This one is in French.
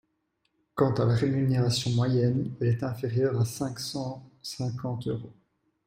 Quant à la rémunération moyenne, elle est inférieure à cinq cent cinquante euros.